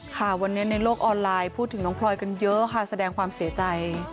ค่ะวันนี้ในโลกออนไลน์พูดถึงน้องพลอยกันเยอะค่ะแสดงความเสียใจ